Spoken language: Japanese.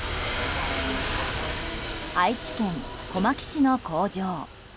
愛知県小牧市の工場。